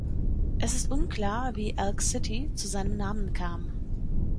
Es ist unklar, wie Elk City zu seinem Namen kam.